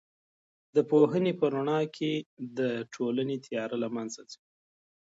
د پوهنې په رڼا کې د ټولنې تیاره له منځه ځي.